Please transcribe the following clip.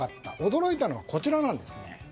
驚いたのはこちらなんです。